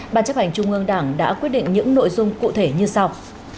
ban chấp hành trung ương đảng đã quyết định những nội dung cụ thể như sau